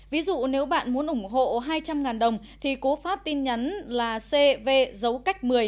ví dụ nếu bạn muốn ủng hộ hai trăm linh đồng thì cố pháp tin nhắn là cv dấu cách một mươi